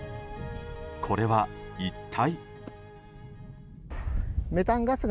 これは一体？